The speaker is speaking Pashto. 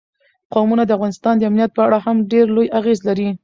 قومونه د افغانستان د امنیت په اړه هم ډېر لوی اغېز لري.